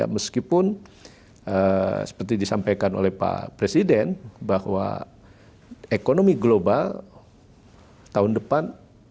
meskipun seperti disampaikan oleh pak presiden bahwa ekonomi global tahun depan